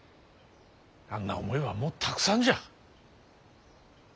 あんな思いはもうたくさんじゃ。